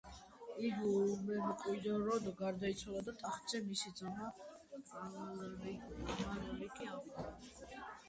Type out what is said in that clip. იგი უმემკვიდროდ გარდაიცვალა და ტახტზე მისი ძმა, ამალრიკი ავიდა.